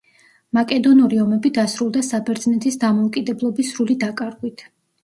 მაკედონური ომები დასრულდა საბერძნეთის დამოუკიდებლობის სრული დაკარგვით.